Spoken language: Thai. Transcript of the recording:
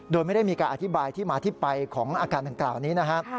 โดยไม่ได้มีการอธิบายที่มาที่ไปของอาการดังกล่าวนี้นะครับ